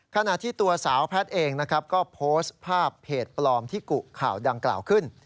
ขณะที่ตัวสาวแพทย์เองนะครับก็โพสต์ภาพเพจปลอมที่กุข่าวดังกล่าวขึ้น